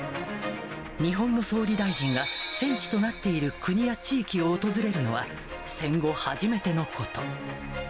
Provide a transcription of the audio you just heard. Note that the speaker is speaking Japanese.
日本の総理大臣が、戦地となっている国や地域を訪れるのは、戦後初めてのこと。